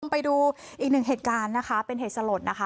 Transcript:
ไปดูอีกหนึ่งเหตุการณ์นะคะเป็นเหตุสลดนะคะ